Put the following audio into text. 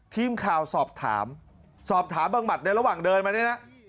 ทีมข่าวสอบถามสอบถามบังหมัดในระหว่างเดินมาเนี่ยนะ